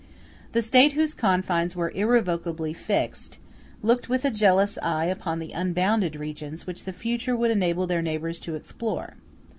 The States whose confines were irrevocably fixed, looked with a jealous eye upon the unbounded regions which the future would enable their neighbors to explore.